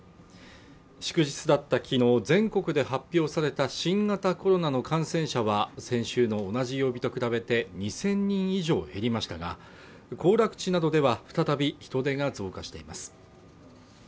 祝日だった昨日全国で発表された新型コロナの感染者は先週の同じ曜日と比べて２０００人以上減りましたが、行楽地などでは再び人出が増加しています。